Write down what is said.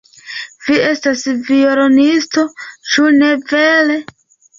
Vi estas violonisto, ĉu ne vere?